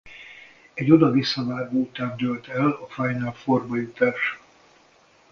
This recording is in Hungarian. Egy oda-vissza vágó után dőlt el a Final Fourba jutás.